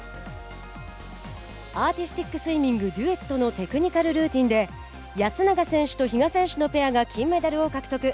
アーティスティックスイミングデュエットのテクニカルルーティンで安永選手と比嘉選手のペアが金メダルを獲得。